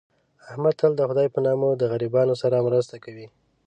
احمد تل دخدی په نامه د غریبانو سره مرسته کوي.